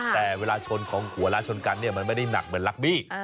แต่เวลาชนของหัวล้านชนกันเนี่ยมันไม่ได้หนักเหมือนลักบี้